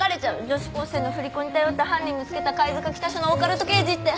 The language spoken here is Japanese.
女子高生の振り子に頼って犯人見つけた貝塚北署のオカルト刑事って。